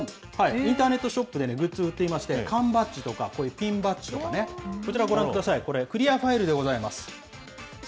インターネットショップでグッズを売っていまして、缶バッジとか、こういうピンバッジとかね、こちらご覧ください、これ、クリアファイルでございます。